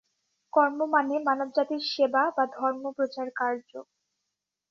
কর্ম মানে মানবজাতির সেবা বা ধর্মপ্রচারকার্য।